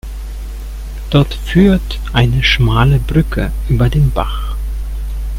Dort führt eine schmale Brücke über den Bach.